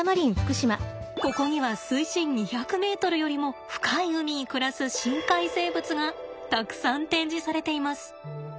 ここには水深２００ｍよりも深い海に暮らす深海生物がたくさん展示されています。